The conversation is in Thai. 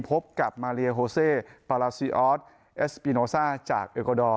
พบกับมาเลียโฮเซปาราซีออสเอสปีโนซ่าจากเอโกดอร์